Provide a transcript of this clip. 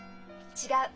違う。